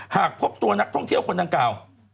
หากพบตัวนักท่องเที่ยวคนดังกล่าว